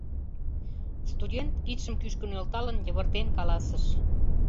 Студент, кидшым кӱшкӧ нӧлталын, йывыртен каласыш: